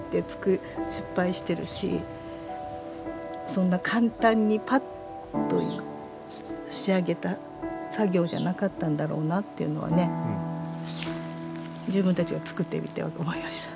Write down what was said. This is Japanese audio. そんな簡単にパッと仕上げた作業じゃなかったんだろうなっていうのはね自分たちがつくってみて思いました。